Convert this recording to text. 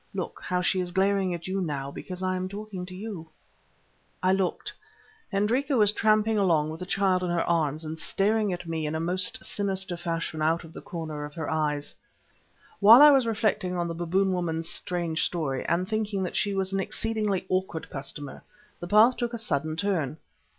Look, how she is glaring at you now because I am talking to you!" I looked. Hendrika was tramping along with the child in her arms and staring at me in a most sinister fashion out of the corners of her eyes. While I was reflecting on the Baboon woman's strange story, and thinking that she was an exceedingly awkward customer, the path took a sudden turn.